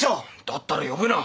だったら呼ぶな。